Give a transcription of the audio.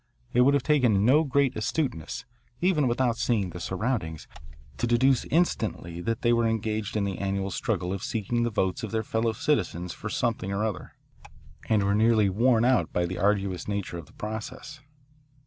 It would have taken no great astuteness, even without seeing the surroundings, to deduce instantly that they were engaged in the annual struggle of seeking the votes of their fellow citizens for something or other, and were nearly worn out by the arduous nature of that process.